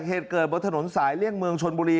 เหตุเกิดบนถนนสายเลี่ยงเมืองชนบุรี